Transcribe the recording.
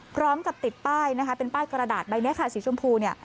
พร้อมกับติดป้ายเป็นป้ายกระดาษใบนี้สีชมพู